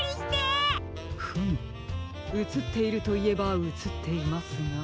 フムうつっているといえばうつっていますが。